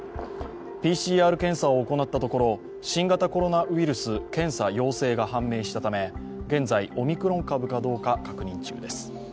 ＰＣＲ検査を行ったところ、新型コロナウイルス陽性が判明したため、現在、オミクロン株かどうか確認中です。